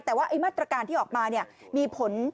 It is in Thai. แต่ว่ามาตรการที่ออกมามีผล